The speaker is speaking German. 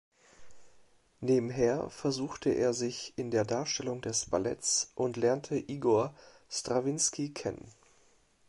Nebenher versuchte er sich in der Darstellung des Balletts und lernte Igor Strawinski kennen.